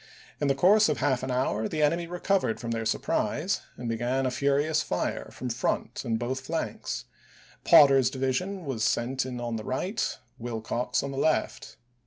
In the course of half an hour the enemy recovered from their surprise and began a furious fire from front and both flanks. Potter's division was sent in on the right, Willcox on the left.